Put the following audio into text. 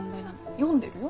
読んでるよ？